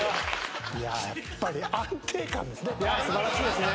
やっぱり安定感ですね。